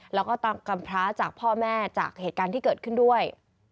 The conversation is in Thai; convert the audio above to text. แล้วก็กำพร้าจากพ่อแม่จากเหตุการณ์ที่เกิดขึ้นด้วย